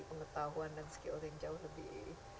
pengetahuan dan skill yang jauh lebih